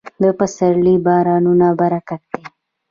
د پسرلي بارانونه برکت دی.